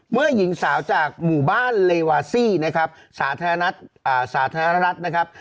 เมื่อหญิงสาวจากหมู่บ้านครับไวบ้านเหลวาซีนะครับสาธารณัสครับ